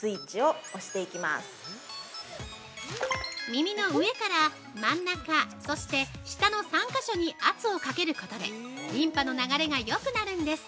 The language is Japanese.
◆耳の上から真ん中そして下の３か所に圧をかけることでリンパの流れがよくなるんです。